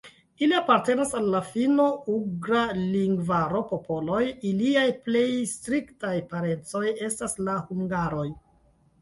Ili apartenas al la finno-ugra lingvaro popoloj, iliaj plej striktaj parencoj estas la hungaroj.